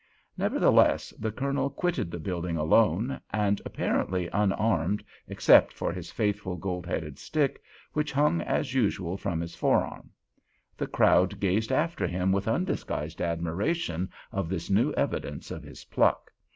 Nevertheless the Colonel quitted the building alone, and apparently unarmed except for his faithful gold headed stick, which hung as usual from his forearm. The crowd gazed after him with undisguised admiration of this new evidence of his pluck.